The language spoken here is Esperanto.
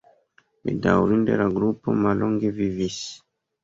Bedaŭrinde la grupo mallonge vivis.